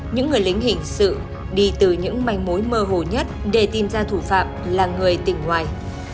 những người lính hình sự đi từ những manh mối mơ hồ nhất để tìm ra thủ phạm là người tỉnh ngoài